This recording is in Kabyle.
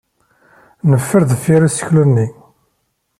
Neffer deffir useklu-nni.